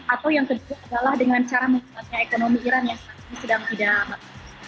atau yang kedua adalah dengan cara menguatnya ekonomi iran yang sedang tidak bagus